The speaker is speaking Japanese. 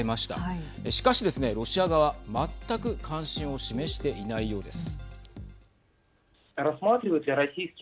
しかしですね、ロシア側全く関心を示していないようです。